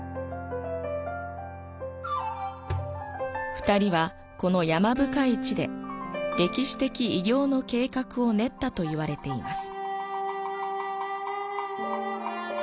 ２人はこの山深い地で、歴史的偉業の計画を練ったといわれています。